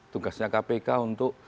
tugasnya kpk untuk